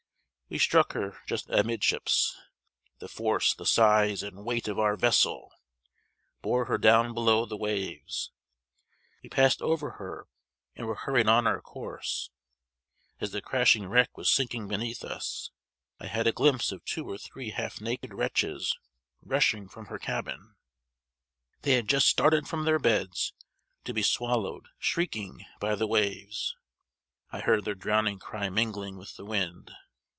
We struck her just amidships. The force, the size, and weight of our vessel, bore her down below the waves; we passed over her and were hurried on our course. As the crashing wreck was sinking beneath us, I had a glimpse of two or three half naked wretches, rushing from her cabin; they just started from their beds to be swallowed shrieking by the waves. I heard their drowning cry mingling with the wind.